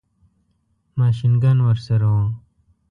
ماشین ګن ورسره وو.